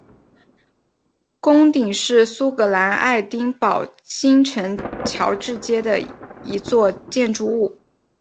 穹顶是苏格兰爱丁堡新城乔治街的一座建筑物。